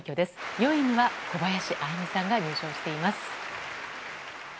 ４位には小林愛実さんが入賞しています。